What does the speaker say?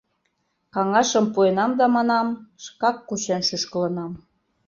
Каҥашым пуэнам да, манам, шкак кучен шӱшкылынам.